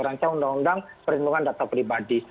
rancang undang undang perlindungan data pribadi